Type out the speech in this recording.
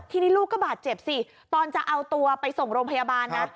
ทีนี้ลูกก็บาดเจ็บสิตอนจะเอาตัวไปส่งโรงพยาบาลนะ